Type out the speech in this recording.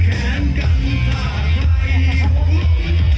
กลับไปรับกลับไป